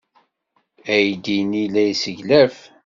Aydi-nni la yesseglaf.